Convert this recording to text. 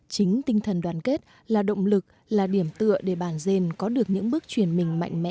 chính tinh thần đoàn kết là động lực là điểm tựa để bản dền có được những bước chuyển mình mạnh mẽ